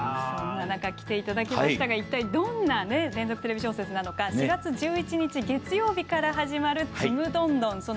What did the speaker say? そんな中きていただきましたが一体どんな連続テレビ小説なのか４月１１日月曜日から始まる「ちむどんどん」。